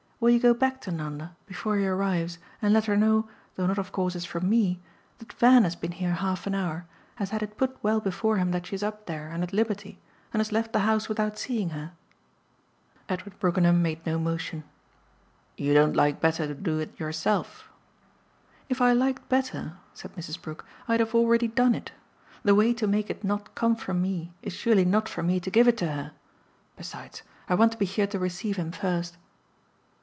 Will you go back to Nanda before he arrives and let her know, though not of course as from ME, that Van has been here half an hour, has had it put well before him that she's up there and at liberty, and has left the house without seeing her?" Edward Brookenham made no motion. "You don't like better to do it yourself?" "If I liked better," said Mrs. Brook, "I'd have already done it. The way to make it not come from me is surely not for me to give it to her. Besides, I want to be here to receive him first."